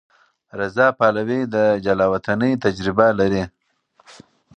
رضا پهلوي د جلاوطنۍ تجربه لري.